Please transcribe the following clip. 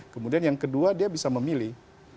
kemudian yang kedua dia bisa memilih